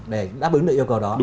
để đáp ứng được yêu cầu đó